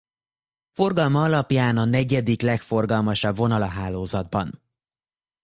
Forgalma alapján a negyedik legforgalmasabb vonal a hálózatban.